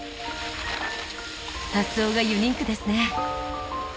発想がユニークですね。